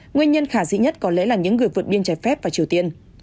nguyên nhân khả dĩ nhất có lẽ là những người vượt biên trái phép vào triều tiên